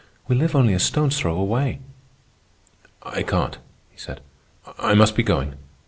"We live only a stone's throw away. "I can't," he said, "I must be going.